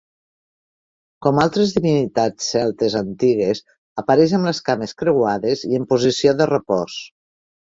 Com altres divinitats celtes antigues apareix amb les cames creuades i en posició de repòs.